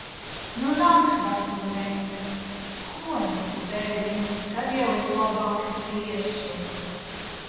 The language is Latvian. Nu nāks veco reize. Ko nu tu, dēliņ! Tad jau es labāk ciešu.